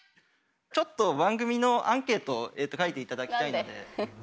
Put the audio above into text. ちょっと番組のアンケートを書いて頂きたいので。